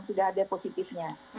sudah ada positifnya